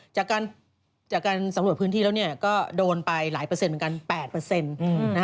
จากการสำรวจพื้นที่แล้วก็โดนไปหลายเปอร์เซ็นต์เหมือนกัน๘